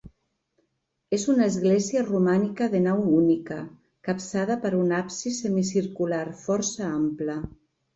És una església romànica de nau única, capçada per un absis semicircular força ample.